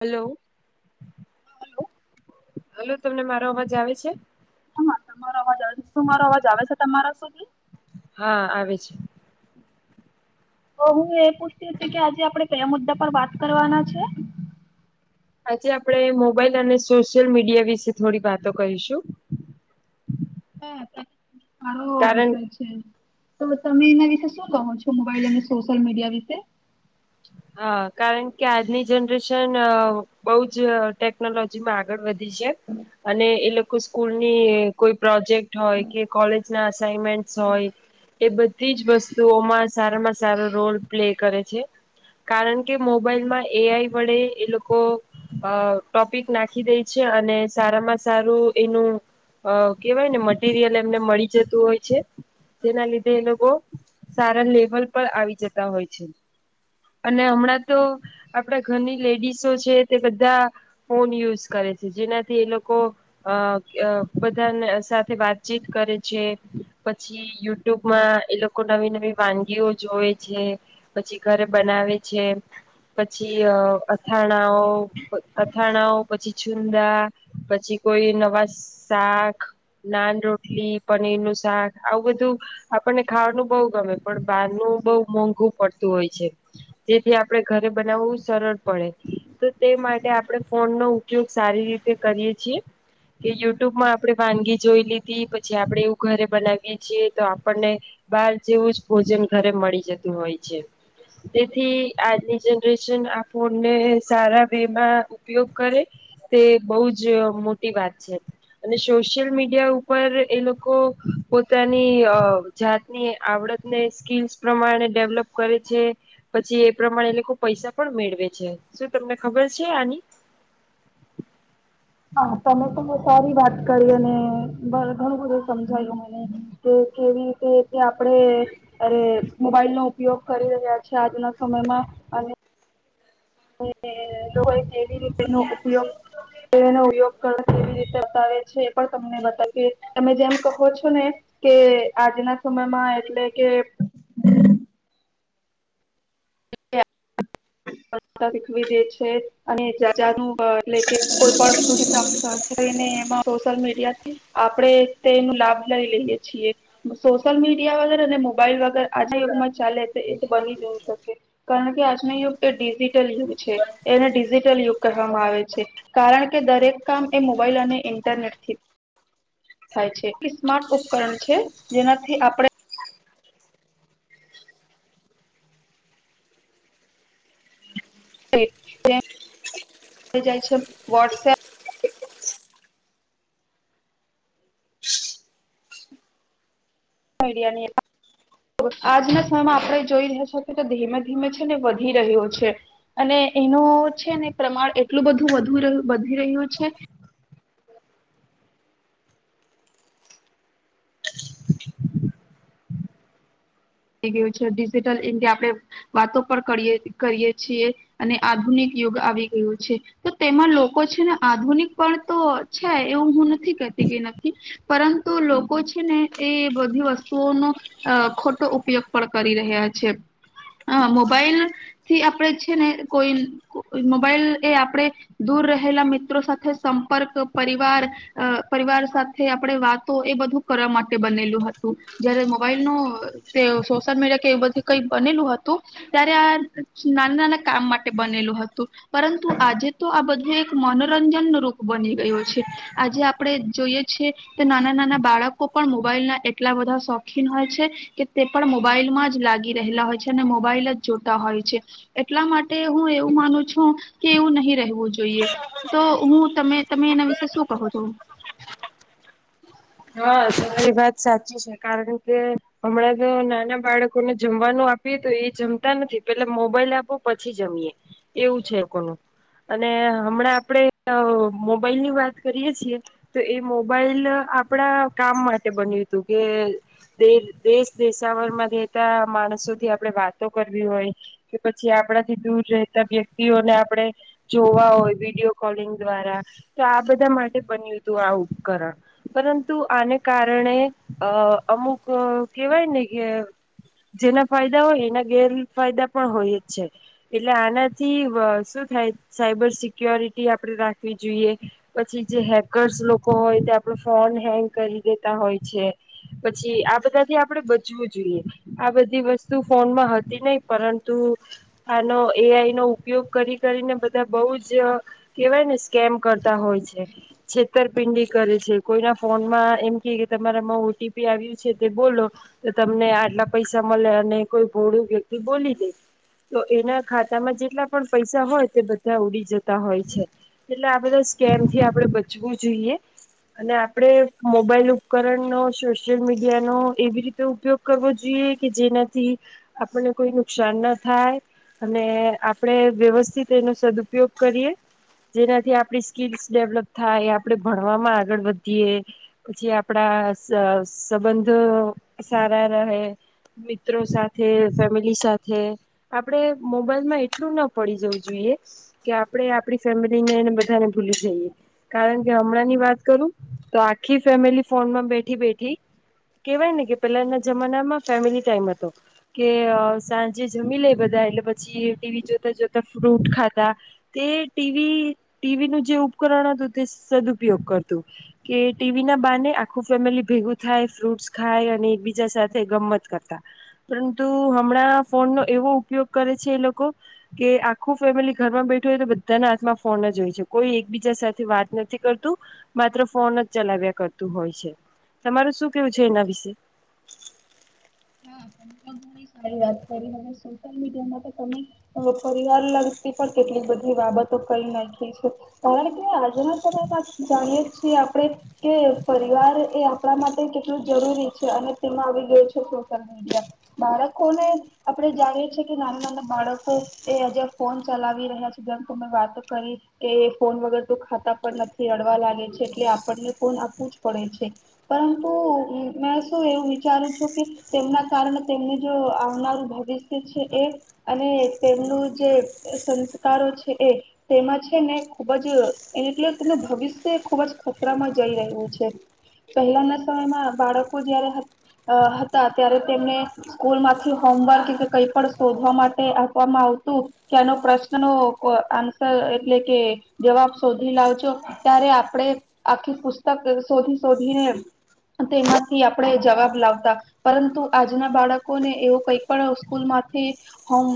Hello. Hello. Hello, તમને મારો અવાજ આવે છે? ના [unintelligible] તમારો અવાજ આવે છે, શું મારો અવાજ આવે છે, તમારા સુધી? હા, આવે છે. તો હું એ પૂછતી હતી કે આજે આપડે કયા મુદ્દા પર વાત કરવાના છે? આજે આપડે મોબાઈલ અને સોશિયલ મીડિયા વિશે થોડી વાતો કરીશું. હમ્મ. સારો કારણ વિચાર છે. તો તમે એના વિશે શું કહો છો. તો મોબાઈલ અને સોશલ મીડિયા શે હા કારણ કે આજની જનરેશન બોજ ટેકનોલોજી માં આગળ વધી ધી છે અને એ લોકો કોઈ સ્કૂલ ની કોઈ પ્રોજેક્ટ હોય, કે કોલેજના અસાાઈનમેન્ટ્સ હોય એ બધ બધી જ વસ્તુઓમાં સારામાં સારો રોલ પ્લે કરે છે. કારણકે મોબાઈલમાં એ આઈ વડે એ લોકો અહ ટોપિક નાખી દે છે અને સારામાં સારું એનું કેહેવાય ને મટીરિયલ એમને મળી જતું હોય છે, તેના લીધે એ લોકો સારા લેવલ પર આવી જતા હોય છે. અને હમણાં તો આપડા ઘરની લેડીસો છે તે બધા ફોન યુઝ કરે છે, જેનાથી એ લોકો અહ બધાને સાથે વાતચીત કરે છે, પછી યુટ્યુબમાં એ લોકો નવી નવી વાનગીઓ જોવે છે, પછી ઘરે બનાવે છે, પછી અહ અથાણાઓ અથાણાઓ, પછી છુંદા, પછી કોઈ નવા શાક, નાન, રોટલી, પનીર નું શાક આવું બધું આપણને ખાવાનું બહુ ગમે પણ બહારનું બહુ મોંઘું પડતું હોય છે, જેથી આપડે ઘરે બનાવવું સરળ પડે, તો તે માટે આપડે ફોન નો ઉપયોગ સારી રીતે કરીએ છીએ કે યુટ્યુબમાં આપડે વાનગી જોઈ લીધી પછી આપડે ઘરે બનાવીએ છીએ તો આપણને બહાર જેવુંજ ભોજન ઘરે મળી જતું હોય છે. તેથી આજની જનરેશન આ ફોનને સારા વેમાં ઉપયોગ કરે તે બોજ મોટી વાત છે અને સોશિયલ મીડિયા ઉપર એ લોકો પોત પોતાની જાતની આવડતને સ્કીલ્સ પ્રમાણે ડેવલપ કરે છે, પછી એ પ્રમાણે એ લોકો પૈસા પણ મેળવે છે, શું તમને ખબર છે, આની? હા તમે તો બો સારી વાત કરી અને ઘણું બધું સમજાયું મને કે કેવી રીતે આપણેે અરે મોબાઈલ નો ઉપયોગ કરી રહ્યા છે આજના સમયમાં અને [unintelligible] એવી રીતેનો ઉપયોગ નો ઉપયોગ કરો કેવી રીતે બતાવે છે એ પણ તમને બતાવી તમે જેમ કહો છો ને કે આજના સમયમાં એટલે કે [inaudible] શીખવી દે છે અને જાજા નું એટલે કે કોઈ પણસ્તુ સને એમાં સોશિયલ મીડ આપણે તે લાભ લઈ લઈએ છીએ સોશિયલ મીડિયા વગર અને મોબાઈલ વગર આજના યુગમાં ચાલે એ બની જયું શકે કારણ કે આજના યુગ તો ડીઝી યગ એને ડિજિટલ યુગ કરવામાં આવે છે કારણ કે દરેક કામ એ મોબાઈલ અને ઇન્ટરનેટથી. થાય છે એ સ્માર્ટ ઉપકરણ છે જેનાથી આપણે જાય છે વોટ્સએપ ડિયાની આજના સમયમાં આપણે જોઈ રહ્યા છે કે ધીમે ધીમે છે ને વધી રહ્યો છે અને એનું છે ને પ્રમાણ એટલું બધુ વધુ વધી રહ્યું છે ડિજિટલ ઇન્ડિયા આપણે વાતો પણ કરીએ કરીયે છીએ અને આધુનિક યુગ આવી ગયું છે તો તેમાં લોકો છે ને આધુનિક પણ તો છે એવું હું નથી કે તી નથી પરંતુ લોકો છે ને એ બધી વસ્તુઓનો ખોટ ઉપયોગ પણ કરી રહ્યા છે હ મોબાઈલ થી આપણે છે ને કોઈ મોબાઈલ એ આપણે દૂર રહેલા મિત્રો સાથે સંપર્ક પરિવાર અ પરિવાર સાથે આપણે વાતો એ બધું કરવા માટે બનેલું હતું જયારે મોબાઈલ નો તે સોશિયલ મીડિયા કે એ બધું કઈ બનેલું હતું ત્યારે આ નાના નાના કામ માટે બનેલું હતું પરંતુ આજે તો આ બધું એક મનોરંજન ન રૂપ બની ગયું છે આજે આપણે જોઈએ છીએ કે નાના નાના બાળકો પણ મોબાઈલ ના એટલા બધા શોખીન હોય છે કે તે પણ મોબાઈલમાં જ લાગી રહેલા હોય છે અને મોબાઈલ જ જોતા હોય છે એટલા માટે હું એવું માનું છું કે એવું નહી રહેયુ જોઈએ તો હું તમે તમે એના વિશે શું કહો છો. હા સારી વાત સાચી છે કારણ કે હમણાં તો નાના બાળકોને જમવાનું આપીએ તો એ જમતા નથી પેલા મોબાઈલ આપો પછી જમીએ એવું છે કોનું અને હમણાં આપડે અ મોબાઈલ ની વાત કરીએ છીએ તો એ મોબાઈલ આપ આપણા કામ માટે બન્યું તું કે દેશ દેશાવરમાં રહેતા માણસોથી આપણે વાતો કરવી હોય કે પછી આપણાથી દૂર રહેતા વ્યક્તિઓને આપણે જોવા હોય વિડીયો કોલિંગ દ્વારા તો આ બધા માટે બન્યું હતું આ ઉપકરણ પરંતુ આને કારણે અ અમુક કેહેવાય ને કે જેના ફાયદા હોય એના ગેરફાયદા પણ હોય જ છે એટલે આનાથી શું થાય સાયબર સિક્યોરિટી આપણેે રાખવી જોઈએ પછી જે હેકર્સ લોકો હોય તે ફોન હેંગ કરી દેતા હોય છે પછી આ બધાથી આપણેે બચવું જોઈએ આ બધી વસ્તુ ફોનમાં હતી નહ પરંતુ આનો એઆઈ નો ઉપયોગ કરી કરીને બધા બહુ જ કેહેવાય ને સ્કેમ કરતા હોય છે છેતરપિંડી કરે છે કોઈના ફોનમાં એમ કે કે તમારામાં ઓટીપી આવ્યું છે તે બોલો તો તમને આટલા પૈસા મળે અને કોઈ ભોળું વ્યક્તિ બોલી દે તો એના ખાતામાં જેટલા પણ પૈસા હોય તે બધા ઉડી જતા હોય છે એટલે આ બધા સ્કેમ થી આપણે બચવું જોઈએ. ને આપણે મોબાઈલ ઉપકરણનોો સોશિયલ મીડિયાનોો એવી રીતે ઉપયોગ કરવો જોઈએ કે જેનાથી આપણને કોઈ નુકસાન ના થાય અને આપણે વ્યવસ્થિત એનો સદઉપયોગ કરીએ જેનાથી આપણી સ્કીલ્સ ડેવલપ થાય એ આપણે ભણવામાં આવે. આગળ વધીએ પછી આપણા સંબંધ સારા રહે મિત્રો સાથે ફેમિલી સાથે આપણે મોબાઈલમાં એટલું ના પડી જવું જોઈએ કે આપણે આપણી ફેમિલીને બધાને ભૂલી જઈએ કારણ કે હમણાંની વાત. તો આખી ફેમિલી ફોનમાં બેઠી બેઠી કેવાય ને કે પહેલાના જમાનામાં ફેમિલી ટાઈમ હતો કે સાંજે જમી લે બધા એટલે પછી ટીવી જોતા જોતા ફ્રૂટ ખાતા તે ટીવી ટીવી નું જે ઉપકરણ હતું તે સદઉપયોગ કરતો કે ટીવી ના બાને આખું ફેમિલી ભેગું થાય ફ્રૂટસ ખાય અને એકબીજા સાથે ગમત કરતા પરંતુ હમણાં ફોન નો એવો ઉપયોગ કરે છે એ લોકો કે આખું ફેમિલી ઘરમાં બેઠું હોય તો બધાના હાથમાં ફોન જ હોય છે કોઈ એકબીજા સાથે વાત નથી કરતું. માત્ર ફોન જ ચલાવ્યા કરતું હોય છે તમારું શું કેવું છે એના વિશે. હા સારી વાત કરી સોશિયલ મીડિયામાં. તમે પરીવાર લ પણ કેટલી બધી બાબતો કઈ નાખી છે કારણ કે આજના સમયમાં જાણીય છીએ આપણે કે પરિવાર એ આપણા માટે કેટલું જરૂરી છે અને તેમાં આવી ગયો છે. મી બાળકોને આપડણે જાણીએ છીએ કે નાના નાના બાળકો એ હજ ફોન ચલાવી રહ્યા છે જેમ કે મેં વાતો કરી કે ફોન વગર તો ખાતા પર નથી રડવા લાગે છે એટલે આપણને ફોન આપવું જ પડે છે પરંતુ મેં શું એવું વિચારું છું કે. તેમના કારણે તેમનું જો આવનારું ભવિષ્ય છે એ અને તેમનું જે સંસ્કારો છે એ તેમાં છે ને ખૂબ જ એટલે તેનું ભવિષ્ય ખૂબ જ એટલા ખતરામાં જઈ રહ્યું છે પહેલાના સમયમાં બાળકો જયારે. ત્યારે તેમને સ્કૂલ માંથી હોમવર્ક કઈ પણ શોધવા માટે આપવામાં આવતું કેનો પ્રશ્ન ન આન્સર એટલે કે જવાબ શોધી લાવજો ત્યારે આપડે આખી પુસ્તક શોધી શોધીને તેમાંથી આપણે જવાબ લાવતા. પરંતુ આજના બાળકોને એવો કઈ પણ સ્કૂલ માંથી હોમ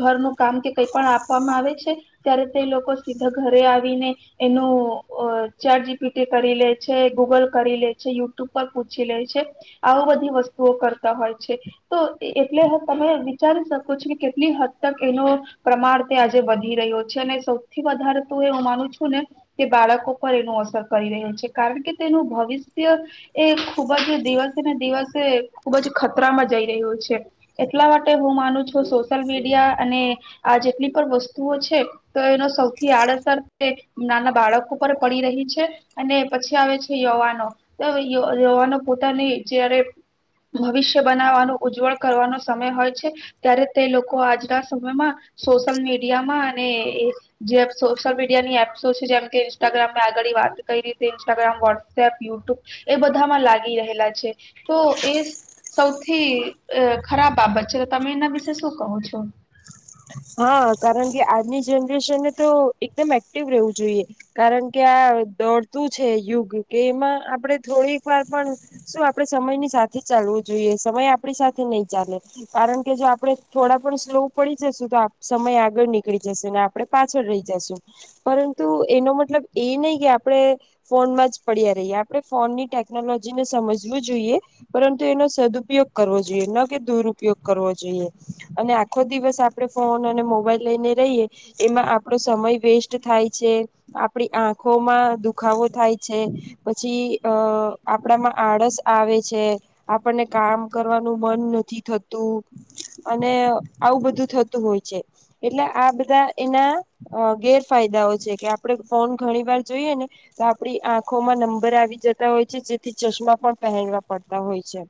ઘરનું કામ કે કઈ પણ આપવામાં આવે છે ત્યારે તે લોકો સીધા ઘરે આવીને એનું જીપીટી કરી લે છે ગૂગલ કરી લે છે યુટ્યુબ પર પૂછી લે છે. આવ બધી વસ્તુઓ કરતા હોય છે તો એટલે તમે વિચારી શકો છો કે કેટલી હદ તક એનો પ્રમાણ તે આજે વધી રહ્યો છે અને સૌથી વધારે તો એ હું માનું છું ને કે બાળકો પર એનો અસર કરી રહ્યો છે કારણ કે તેનું ભવિષ્ય એ ખૂબ જ દિવસ. ને દિવસે ખુબ જ ખતરામાં જઈ રહ્યો છે એટલા માટે હું માનું છું સોશિયલ મીડિયા અને આ જેટલી પણ વસ્તુઓ છે તો એનો સૌથી આડઅસર નાના બાળકો પર પડી રહી છે અને પછી આવે છે યવાનો તો યવાનો પોતાની. જારે ભવિષ્ય બનાવાનું ઉજ્જવળ કરવાનો સમય હોય છે ત્યારે તે લોકો આજના સમયમાં સોશિયલ મીડિયામાં અને એ જે સોશિયલ મીડિયાની એપ્સો છે જેમ કે ઇન્સ્ટાગ્રામમાં આગળ વાત કરી રીતે ઇન્સ્ટાગ્રામ વોટ્સએપ યુટ્યુબ એ બધામાં લાગી રહેલા છે. તો એ સૌથી ખરાબ અ બાબત છે તો તમે એના વિશે શું કહો છો. હા કારણ કે આજની જનરેશનને તો એકદમ એક્ટિવ રહેવું જોઈએ કારણ કે આ દોડતું છે યુગ કે એમાં આપણેે થોડીક વાર પણ શું આપણે સમયની સાથે જ ચાલવું જોઈએ સમય આપણી સાથે નહી ચાલે કારણ કે જો આપણે થોડા પણ સ્લો. પડી જશું તો સમય આગળ નીકળી જશે આપણે પાછળ રહી જશું. પરંતુ એનો મતલબ એ નહી કે આપણે ફોનમાં જ પડ્યા રહીએ. આપણે ફોનની ટેકનોલોજીને સમજવું જોઈએ પરંતુ એનો સદઉપયોગ કરવો જોઈએ ન કે દુરુપયોગ કરવો જોઈએ અને આ ખો દિવસ આપણે ફોન અને મોબાઈલ લઈને રહીએ. એમાં આપણો સમય વેસ્ટ થાય છે, આપણી આંખોમાં દુખાવો થાય છે, પછી અ આપણામાં આળસ આવે છે, આપણને કામ કરવાનું મન નથી થતું અને આવું બધું થતું હોય છે. એટલે આ બધા એના ગેરફાયદાઓ છે કે આપડે ફોન ઘણી વાર જોઈએ ને તો આપડી આંખોમાં નંબર આવી જતા હોય છે જેથી ચશ્મા પણ પહેરવા પડતા હોય છે.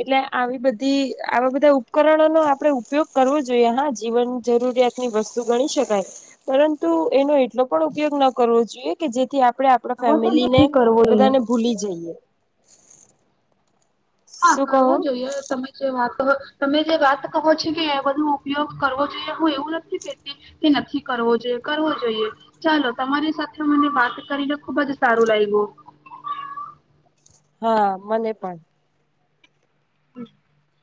એટલે આવી બધી આવા બધા ઉપકરણોનો આપડે ઉપયોગ કરવો જોઈએ. હા જીવન જરૂરિયાતની વસ્તુ ગણી શકાય. પરંતુ એનો એટલો પણ ઉપયોગ ન કરવો જોઈએ કે જે થી આપણે આપણા આવો તો ફેમિલીને નથી કરવો જોઈએ બધાને ભૂલી જઈએ. હા શું કહો કરવો જોઈએ તમે જે વાતો તમે જે વાત કહો છો કે એ બધો ઉપયોગ કરવો જોઈએ. હું એવું નથી કેહેતી કે નથી કરવો જોઈએ કરવો જોઈએ. ચાલો તમારી સાથે મને વાત કરીને ખુબ જ સારું લાયગુ. હા મને પણ. [inaudible]